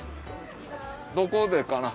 どこでかな？